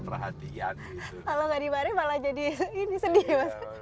kalau tidak marahi malah jadi sedih